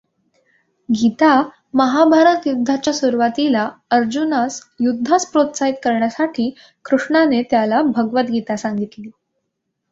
गीता महाभारत युद्धाच्या सुरुवातीला अर्जुनास युद्धास प्रोत्साहित करण्यासाठी कृष्णाने त्याला भगवद् गीता सांगितली.